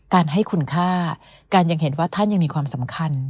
การให้คุณค่าการยังเห็นว่าท่านยังมีความสำคัญ